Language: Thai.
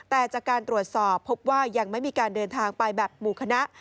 แต่จากการตรวจสอบพบว่ายังไม่มีการเดินทางไปแบบหมู่คณะ